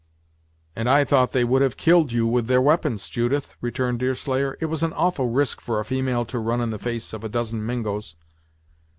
"And I thought they would have killed you with their we'pons, Judith," returned Deerslayer; "it was an awful risk for a female to run in the face of a dozen Mingos!"